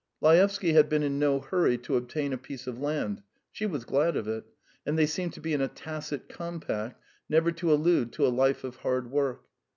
Laevsky had been in no hurry to obtain a piece of land; she was glad of it, and they seemed to be in a tacit compact never to allude to a life of hard work.